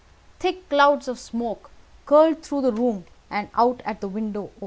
Thick clouds of smoke curled through the room, and out at the open window.